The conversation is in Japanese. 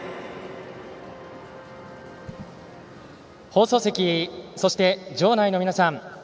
放送席、そして場内の皆さん。